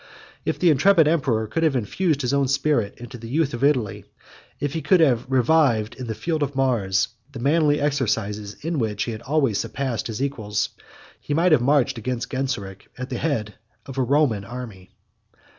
If the intrepid emperor could have infused his own spirit into the youth of Italy; if he could have revived in the field of Mars, the manly exercises in which he had always surpassed his equals; he might have marched against Genseric at the head of a Roman army.